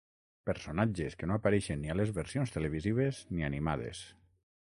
Personatges que no apareixen ni a les versions televisives ni animades.